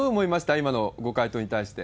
今のご回答に対して。